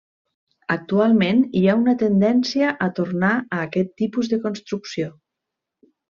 Actualment, hi ha una tendència a tornar a aquest tipus de construcció.